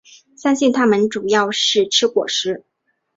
相信它们主要是吃果实。